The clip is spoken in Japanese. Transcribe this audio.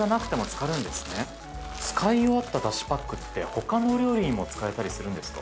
使い終わっただしパックって他のお料理にも使えたりするんですか？